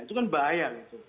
itu kan bahaya gitu